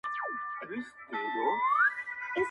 د مرگي تال د ژوندون سُر چي په لاسونو کي دی_